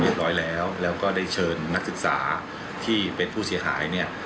เรียบร้อยแล้วแล้วก็ได้เชิญนักศึกษาที่เป็นผู้เสียหายเนี่ย